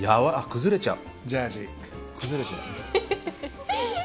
崩れちゃう。